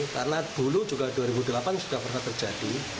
karena dulu juga dua ribu delapan sudah pernah terjadi